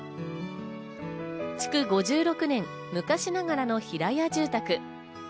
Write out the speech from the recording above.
築５６年、昔ながらの平屋住宅。